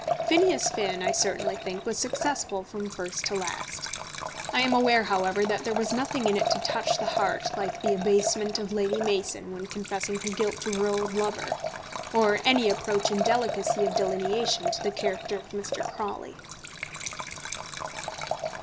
Phineas Finn, I certainly think, was successful from first to last. I am aware, however, that there was nothing in it to touch the heart like the abasement of Lady Mason when confessing her guilt to her old lover, or any approach in delicacy of delineation to the character of Mr. Crawley.